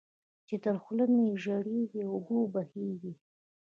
چې تر خوله مې ژېړې اوبه وبهېږي.